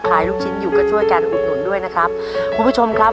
ลูกชิ้นอยู่ก็ช่วยกันอุดหนุนด้วยนะครับคุณผู้ชมครับ